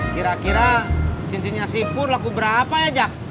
kira kira cincinnya sipur laku berapa ya jack